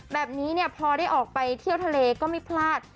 แบบนี้เนี่ยพอได้ออกไปเที่ยวทะเลก็ไม่พลาด